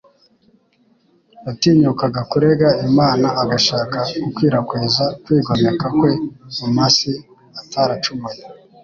Yatinyukaga kurega Imana agashaka gukwirakwiza kwigomeka kwe mu masi ataracumuye.